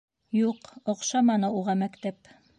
Юҡ, оҡшаманы уға мәктәп.